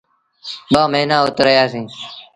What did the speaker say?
ٻآ موهيݩآن اُت رهيآ سيٚݩ۔